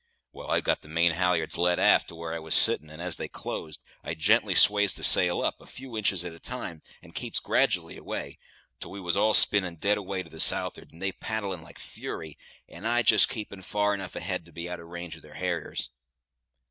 Well, I'd got the main halliards led aft to where I was sittin', and as they closed, I gently sways the sail up, a few inches at a time, and keeps grad'lly away, until we was all spinnin' away dead to the south'ard, they paddlin' like fury, and I just keepin' far enough ahead to be out of range of their harrers.